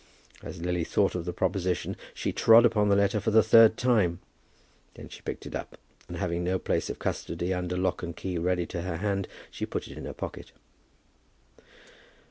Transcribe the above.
As Lily thought of the proposition, she trod upon the letter for the third time. Then she picked it up, and having no place of custody under lock and key ready to her hand, she put it in her pocket.